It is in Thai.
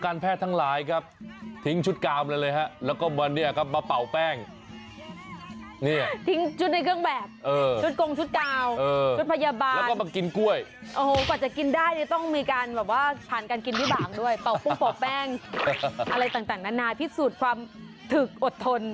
อะไรต่างนานาพิสูจน์ความถึกอดทน